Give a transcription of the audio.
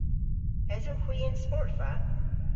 Esowgh hwi y'n sportva?